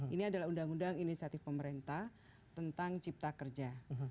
ini adalah undang undang inisiatif pemerintah tentang cipta kerja